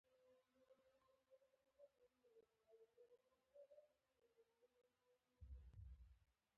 په ده نه ده جوړه.